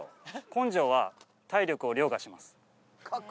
根性は体力をりょうがします。